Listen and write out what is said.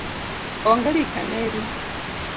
Onge dhi kaneru